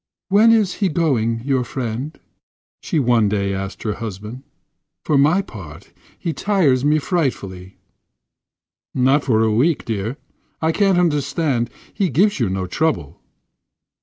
"When is he going—your friend?" she one day asked her husband. "For my part, he tires me frightfully." "Not for a week yet, dear. I can't understand; he gives you no trouble."